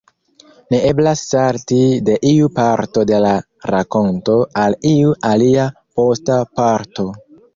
Ne eblas salti de iu parto de la rakonto al iu alia posta parto.